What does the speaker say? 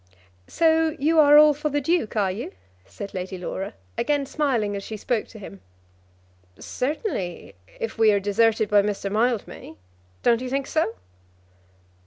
"So you are all for the Duke, are you?" said Lady Laura, again smiling as she spoke to him. "Certainly; if we are deserted by Mr. Mildmay. Don't you think so?"